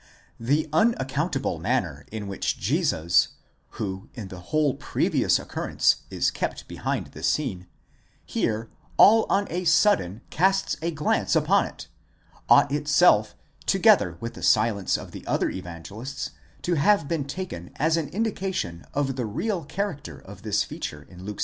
The unaccountable manner in which Jesus, who in the whole pre vious occurrence is kept behind the scene, here all on a sudden casts a glance upon it, ought itself, together with the silence of the other Evangelists, to have _ been taken as an indication of the real character of this feature in Luke's nar 7 Hess, Geschichte Jesu, 2, s.